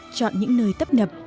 chọn những nơi tấp ngập